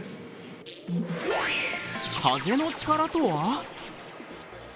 風の力とは？